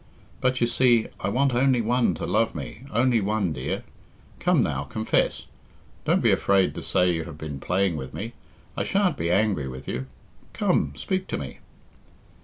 But, you see, I want only one to love me, only one, dear. Come, now, confess. Don't be afraid to say you have been playing with me. I shan't be angry with you. Come, speak to me."